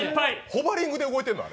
ホバリングで動いてるの？